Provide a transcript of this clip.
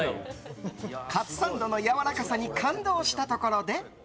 カツサンドのやわらかさに感動したところで。